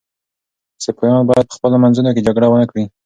سپایان باید په خپلو منځونو کي جګړه ونه کړي.